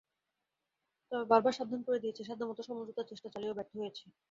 তবে বারবার সাবধান করে দিয়েছি, সাধ্যমতো সমঝোতার চেষ্টা চালিয়েও ব্যর্থ হয়েছি।